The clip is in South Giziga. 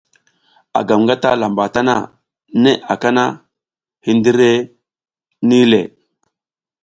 A gam ngataƞʼha lamba tana, neʼe aka na, hindire nih le.